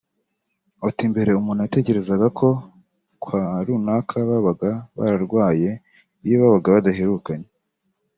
Ati “Mbere umuntu yatekerezaga ko kwa runaka baba bararwaye iyo babaga badaherukanye